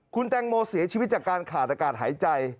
คุณแตงโมเสียชีวิตจากการขาดอากาศหายใจ